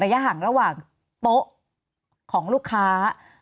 ห่างระหว่างโต๊ะของลูกค้า